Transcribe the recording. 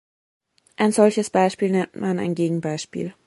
Ein solches Beispiel nennt man ein Gegenbeispiel.